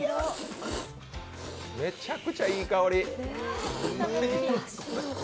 めちゃくちゃいい香り。